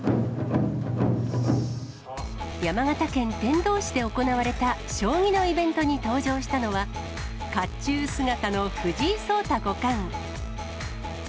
山形県天童市で行われた将棋のイベントに登場したのは、かっちゅう姿の藤井聡太五冠。